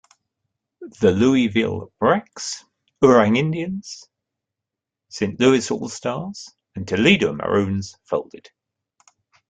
The Louisville Brecks, Oorang Indians, Saint Louis All Stars and Toledo Maroons folded.